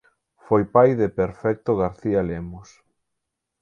Foi pai de Perfecto García Lemos.